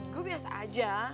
gue biasa aja